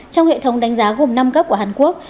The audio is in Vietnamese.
trong hệ thống đánh giá gồm năm cấp của hàn quốc